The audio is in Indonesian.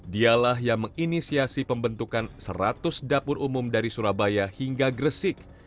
dialah yang menginisiasi pembentukan seratus dapur umum dari surabaya hingga gresik